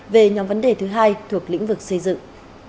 về nhóm vấn đề thứ hai thuộc lĩnh vực xây dựng